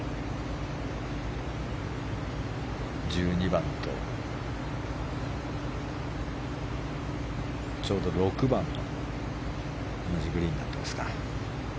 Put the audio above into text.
１２番とちょうど６番が同じグリーンになってますか。